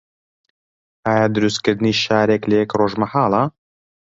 ئایا دروستکردنی شارێک لە یەک ڕۆژ مەحاڵە؟